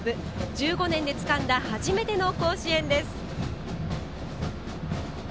１５年でつかんだ初めての甲子園です。